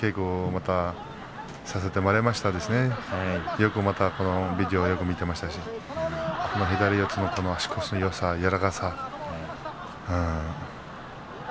また、よくこのビデオを見ていましたし左四つの足腰のよさ、柔らかさ。